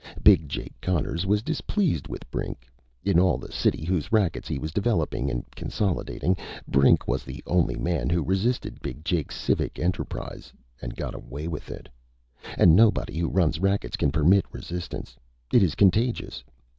Big Jake Connors was displeased with Brink. In all the city whose rackets he was developing and consolidating, Brink was the only man who resisted Big Jake's civic enterprise and got away with it! And nobody who runs rackets can permit resistance. It is contagious.